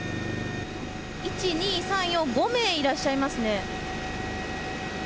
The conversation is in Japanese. １、２、３、４、５名いらっしゃいますね。